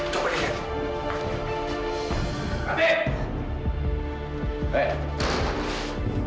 saya akan selesaikan